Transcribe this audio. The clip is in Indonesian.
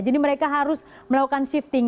jadi mereka harus melakukan shifting